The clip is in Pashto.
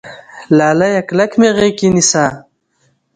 لاليه کلک مې غېږ کې نيسه